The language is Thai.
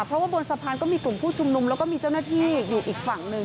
เพราะว่าบนสะพานก็มีกลุ่มผู้ชุมนุมแล้วก็มีเจ้าหน้าที่อยู่อีกฝั่งหนึ่ง